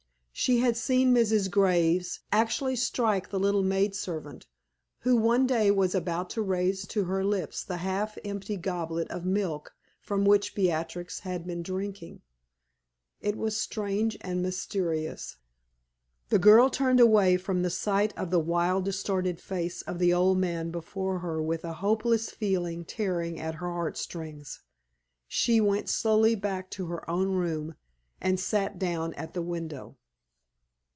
She had seen Mrs. Graves actually strike the little maid servant who one day was about to raise to her lips the half empty goblet of milk from which Beatrix had been drinking. It was strange and mysterious. The girl turned away from the sight of the wild, distorted face of the old man before her with a hopeless feeling tearing at her heart strings. She went slowly back to her own room and sat down at the window.